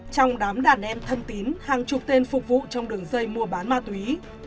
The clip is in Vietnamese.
trong đám đàn em thân tín hàng chục tên phục vụ trong đường dây mua bán ma túy